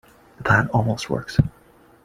The plan almost works.